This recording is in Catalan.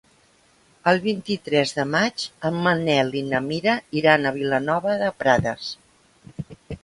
El vint-i-tres de maig en Manel i na Mira iran a Vilanova de Prades.